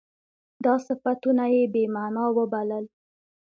دا صفتونه یې بې معنا وبلل.